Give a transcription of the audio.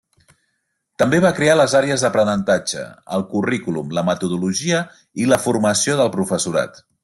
També va crear les àrees d'aprenentatge, el currículum, la metodologia i la formació del professorat.